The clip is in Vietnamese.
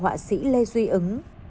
họa sĩ lê duy ứng